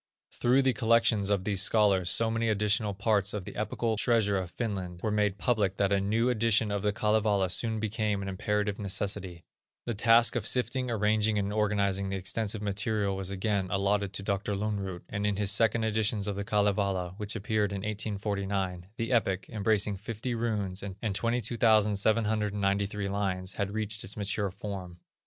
Through the collections of these scholars so many additional parts of the epical treasure of Finland were made public that a new edition of the Kalevala soon became an imperative necessity. The task of sifting, arranging, and organizing the extensive material, was again allotted to Dr. Lönnrot, and in his second editions of the Kalevala, which appeared in 1849, the epic, embracing fifty runes and 22,793 lines, had reached its mature form.